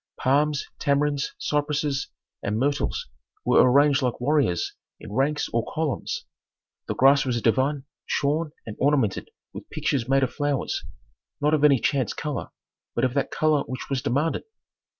Palms, tamarinds, cypresses, and myrtles were arranged like warriors in ranks or columns. The grass was a divan shorn and ornamented with pictures made of flowers, not of any chance color, but of that color which was demanded.